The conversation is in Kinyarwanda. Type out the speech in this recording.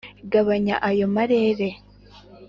Gabanya ayo marere